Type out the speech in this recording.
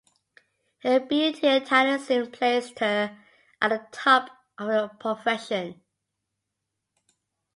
Her beauty and talents soon placed her at the top of her profession.